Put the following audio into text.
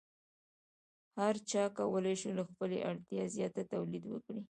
هر چا کولی شو له خپلې اړتیا زیات تولید وکړي.